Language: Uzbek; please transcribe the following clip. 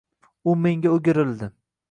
U menga o'girildi: